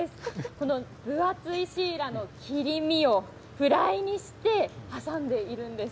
この分厚いシイラの切り身をフライにして挟んでいるんです。